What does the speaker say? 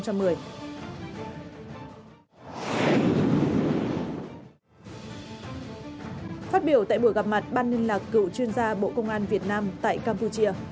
phát biểu tại buổi gặp mặt ban liên lạc cựu chuyên gia bộ công an việt nam tại campuchia